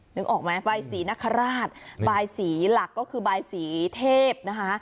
นึกออกไหมใบสีนคราชบายสีหลักก็คือบายสีเทพนะคะ